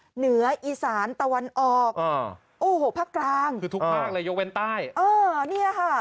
เหนืออีสานตะวันออกพักกลางคือทุกภาคเลยยกเว้นใต้